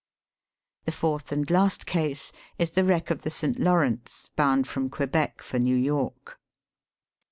The fourth and last case, is the wreck of the St. Lawrence, bound from Quebec for New York.